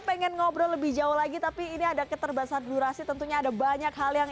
pengen ngobrol lebih jauh lagi tapi ini ada keterbatasan durasi tentunya ada banyak hal yang